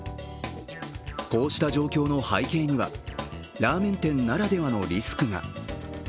こうした状況の背景にはラーメン店ならではのリスクが。